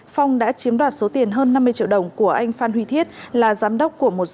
phòng đã chiếm đoạt số tiền hơn năm mươi triệu đồng của anh phan huy thiết là giám đốc của một doanh nghiệp trên địa bàn hà tĩnh